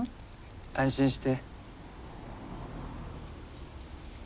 安心して。